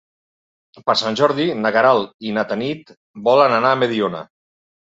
Per Sant Jordi na Queralt i na Tanit volen anar a Mediona.